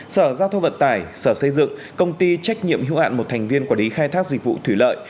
sở giao thông vận tải sở xây dựng công ty trách nhiệm hữu hạn một thành viên quản lý khai thác dịch vụ thủy lợi